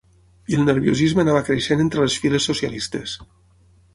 I el nerviosisme anava creixent entre les files socialistes.